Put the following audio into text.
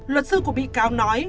luật sư của bị cáo nói